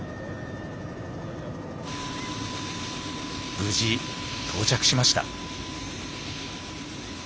無事到着しました。